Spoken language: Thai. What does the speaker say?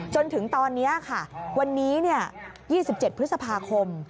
จนถึงตอนนี้ค่ะวันนี้๒๗พฤษภาคม